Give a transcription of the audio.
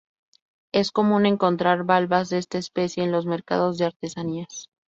Es común encontrar valvas de esta especie en los mercados de artesanías.